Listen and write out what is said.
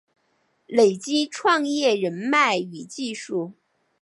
累积创业人脉与技术